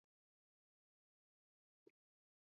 kwamba kila mtu aweze kufanya shughuli zake za uchumi